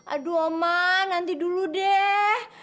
aduh omang nanti dulu deh